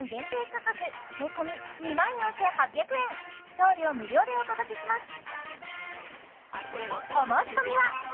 価格税込２万４８００円送料無料でお届けします